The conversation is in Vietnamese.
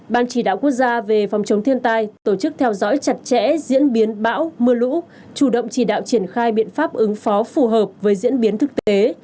ban chỉ đạo quốc gia về phòng chống thiên tai tổ chức theo dõi chặt chẽ diễn biến bão mưa lũ chủ động chỉ đạo triển khai biện pháp ứng phó phù hợp với diễn biến thực tế